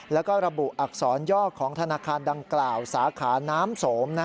แล้วก็ระบุอักษรย่อของธนาคารดังกล่าวสาขาน้ำสม